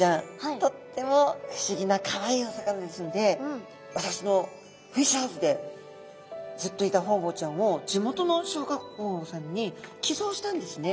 とっても不思議なかわいいお魚ですので私のフィッシュハウスでずっといたホウボウちゃんを地元の小学校さんに寄贈したんですね。